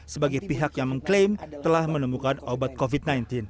sebagai pihak yang mengklaim telah menemukan obat covid sembilan belas